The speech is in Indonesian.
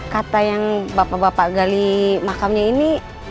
kata yang bapak bapak gali makamnya ini